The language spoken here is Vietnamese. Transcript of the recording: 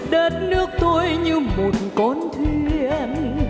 đất nước tôi như một con thuyền